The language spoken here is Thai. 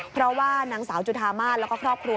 เพราะว่านางสาวจุธามาศแล้วก็ครอบครัว